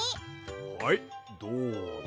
はいどうぞ。